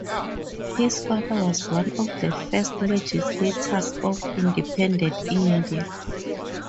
His father was one of the first legislators of independent India.